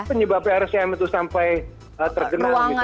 penyebab rsjm itu sampai tergenel misalnya